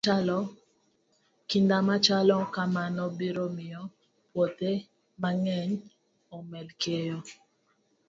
Kinda machalo kamano biro miyo puothe mang'eny omed keyo.